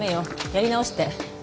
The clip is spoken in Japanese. やり直して。